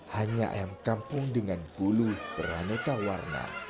hanya ayam kampung dengan bulu beraneka warna